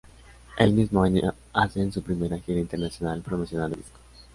El mismo año hacen su primera gira internacional promocionando el disco.